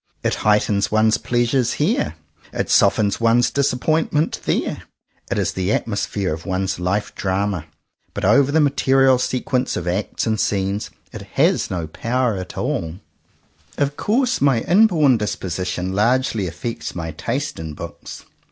It height ens one's pleasure here; it softens one's dis appointment there. It is the atmosphere of one's life drama; but over the material sequence of acts and scenes, it has no power at all. 119 CONFESSIONS OF TWO BROTHERS Of course my inborn disposition largely affects my taste in books.